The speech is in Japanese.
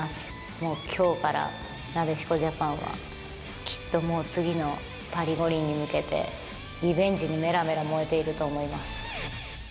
もうきょうから、なでしこジャパンはきっともう次のパリ五輪に向けて、リベンジにめらめら燃えていると思います。